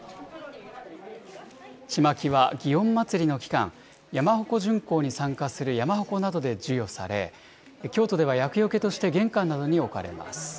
ちまきは祇園祭の期間、山鉾巡行に参加する山鉾などで授与され、京都では厄よけとして玄関などに置かれます。